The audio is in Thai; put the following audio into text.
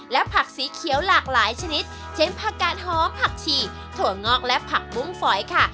และผักสีเขียวหลากหลายชนิดเช่นผักกาดหอมผักชีถั่วงอกและผักบุ้งฝอยค่ะ